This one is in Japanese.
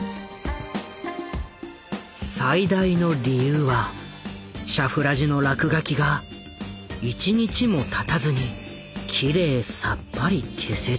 最大の理由はシャフラジの落書きが１日もたたずにきれいさっぱり消せたこと。